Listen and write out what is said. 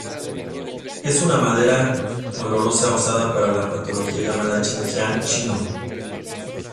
Es una madera olorosa usada para la patología llamada "Chen Xiang" chino: 沈香.